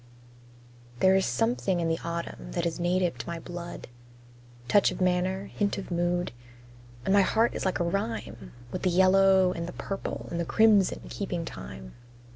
There is something in the autumn that is native to my blood Touch of manner, hint of mood; And my heart is like a rhyme, With the yellow and the purple and the crimson keeping time.